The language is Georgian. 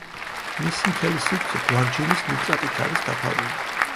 მისი მთელი სივრცე გვარჯილის ნიტრატით არის დაფარული.